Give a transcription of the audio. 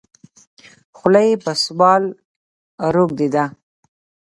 خوله یې په سوال روږده ده.